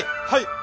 はい。